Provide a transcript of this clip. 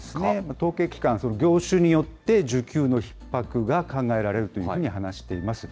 統計機関、業種によって需給のひっ迫が考えられるというふうに話しています。